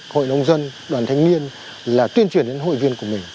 hội nông dân đoàn thanh niên là tuyên truyền đến hội viên của mình